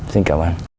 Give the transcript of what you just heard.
xin cảm ơn